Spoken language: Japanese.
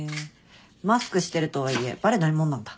マスクしてるとはいえバレないもんなんだ。